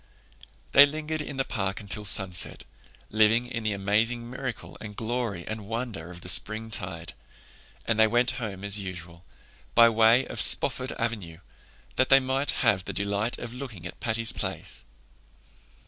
They lingered in the park until sunset, living in the amazing miracle and glory and wonder of the springtide; and they went home as usual, by way of Spofford Avenue, that they might have the delight of looking at Patty's Place.